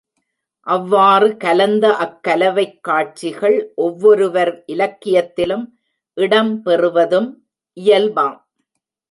அவ்வாறு கலந்த அக் கலவைக் காட்சிகள் ஒவ்வொருவர் இலக்கியத்திலும் இடம் பெறுவதும் இயல்பாம்.